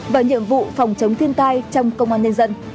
và nhiệm vụ phòng chống thiên tai trong công an nhân dân